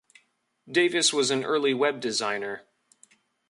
Davis was an early web designer.